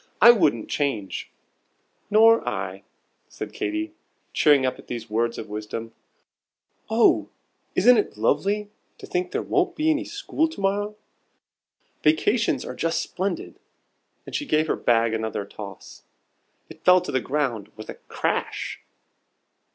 I wouldn't change." "Nor I," said Katy, cheering up at these words of wisdom. "Oh, isn't it lovely to think there won't be any school to morrow? Vacations are just splendid!" and she gave her bag another toss. It fell to the ground with a crash.